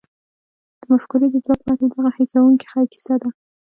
د مفکورې د ځواک په هکله دغه هیښوونکې کیسه ده